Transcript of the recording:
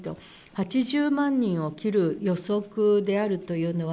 ８０万人を切る予測であるというのは、